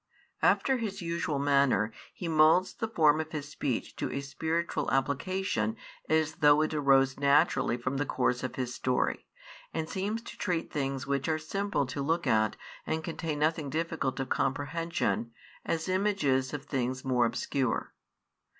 After His usual manner, He moulds the form of His speech to a spiritual application as though it arose |70 naturally from the course of His story, and seems to treat things which are simple to look at and contain nothing difficult of comprehension, as images of things more obscure.